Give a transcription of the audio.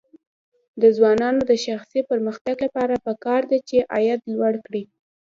د ځوانانو د شخصي پرمختګ لپاره پکار ده چې عاید لوړ کړي.